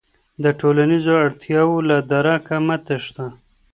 د ټولنیزو اړتیاوو له درکه مه تېښته.